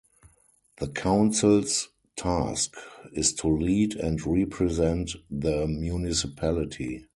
The council's task is to lead and represent the municipality.